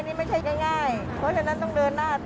นี่ไม่ใช่ง่ายเพราะฉะนั้นต้องเดินหน้า